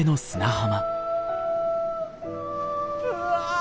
うわ！